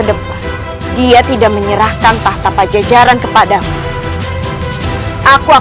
terima kasih putraku